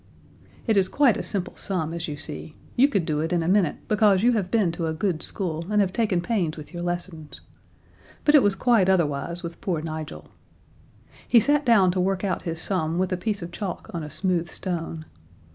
It is quite a simple sum, as you see: You could do it in a minute because you have been to a good school and have taken pains with your lessons; but it was quite otherwise with poor Nigel. He sat down to work out his sum with a piece of chalk on a smooth stone.